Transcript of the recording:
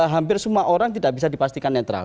hampir semua orang tidak bisa dipastikan netral